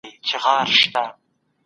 سم نیت اندیښنه نه راوړي.